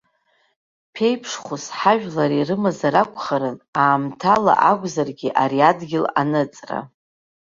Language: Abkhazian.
Ԥеиԥшхәыс ҳажәлар ирымазар акәхарын, аамҭала акәзаргьы, ари адгьыл аныҵра.